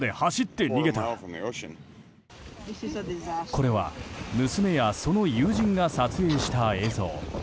これは娘やその友人が撮影した映像。